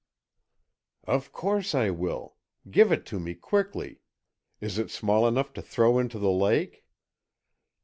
"Of course I will. Give it to me quickly. Is it small enough to throw into the lake?"